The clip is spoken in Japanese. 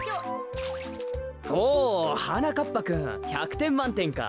ほうはなかっぱくん１００てんまんてんか。